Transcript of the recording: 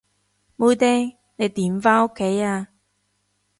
妹釘，你點返屋企啊？